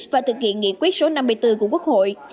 và thực hiện nghị quyết số năm mươi bốn của quốc hội